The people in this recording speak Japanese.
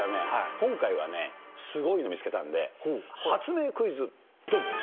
今回はね、すごいの見つけたんで、発明クイズ、どん。